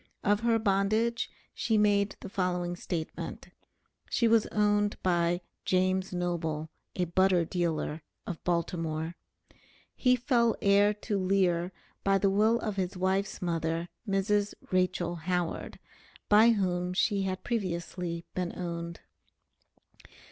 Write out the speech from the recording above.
Of her bondage she made the following statement: She was owned by "James Noble, a Butter Dealer" of Baltimore. He fell heir to Lear by the will of his wife's mother, Mrs. Rachel Howard, by whom she had previously been owned.